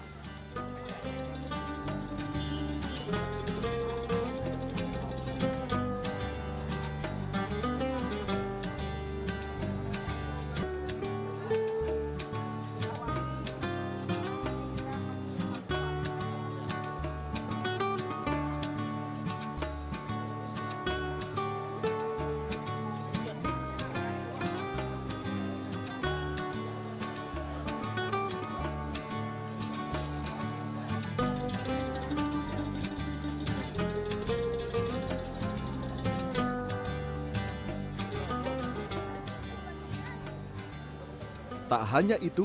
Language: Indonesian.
pemprov dki jakarta